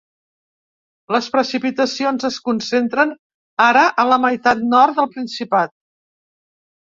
Les precipitacions es concentren ara a la meitat nord del Principat.